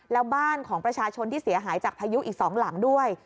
แล้วบ้านของประชาชนที่เสียหายจากพายุอีก๒หลังด้วย